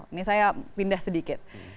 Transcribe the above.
ini saya pindah sedikit